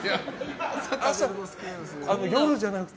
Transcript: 夜じゃなくて。